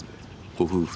ご夫婦